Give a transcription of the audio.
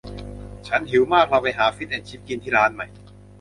ฉันหิวมาก เราไปหาฟิชแอนด์ชิพกินที่ร้านไหม